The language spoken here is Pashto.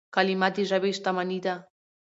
کلیمه د ژبي شتمني ده.